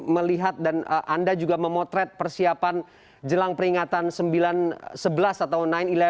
melihat dan anda juga memotret persiapan jelang peringatan sembilan sebelas atau sembilan sebelas